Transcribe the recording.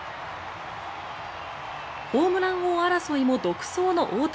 ホームラン王争いも独走の大谷。